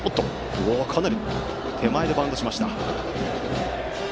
かなり手前でバウンドしました。